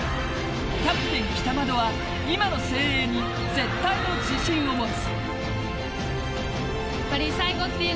キャプテン・北窓は今の誠英に絶対の自信を持つ。